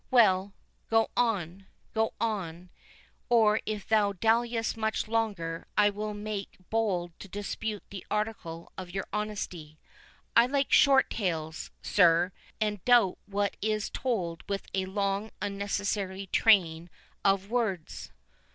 "Well, go on—go on—or if thou dalliest much longer, I will make bold to dispute the article of your honesty. I like short tales, sir, and doubt what is told with a long unnecessary train of words."